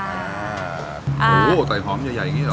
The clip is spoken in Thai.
โหต่อยหอมใหญ่อย่างนี้หรอ